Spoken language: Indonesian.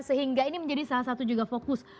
sehingga ini menjadi salah satu juga fokus